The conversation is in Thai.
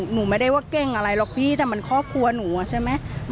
หนูไม่ได้ว่าเก้งอะไรหรอกพี่แต่มันครอบครัวหนูอ่ะใช่ไหม